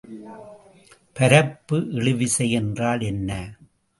பரப்பு இழுவிசை என்றால் என்ன?